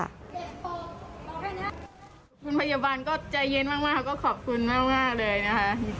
คุณพยาบาลก็ใจเย็นมากก็ขอบคุณมากเลยนะคะ